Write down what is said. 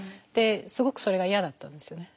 すごくそれが嫌だったんですよね。